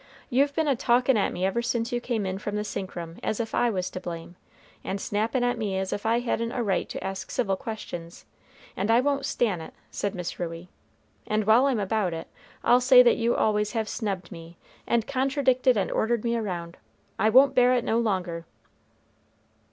"You've been a talkin' at me ever since you came in from the sink room, as if I was to blame; and snappin' at me as if I hadn't a right to ask civil questions; and I won't stan' it," said Miss Ruey. "And while I'm about it, I'll say that you always have snubbed me and contradicted and ordered me round. I won't bear it no longer."